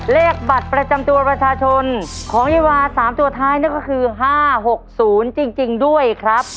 เลขบัตรประจำตัวประชาชนของยายวา๓ตัวท้ายนั่นก็คือ๕๖๐จริงด้วยครับ